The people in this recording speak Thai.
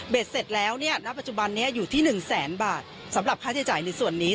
เสร็จแล้วเนี่ยณปัจจุบันนี้อยู่ที่๑แสนบาทสำหรับค่าใช้จ่ายในส่วนนี้